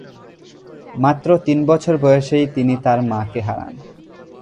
মাত্র তিন বছর বয়সেই তিনি তার মাকে হারান।